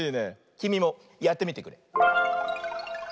きみもやってみてくれ。